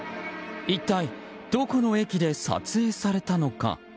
一体、どこの駅で撮影されたのか。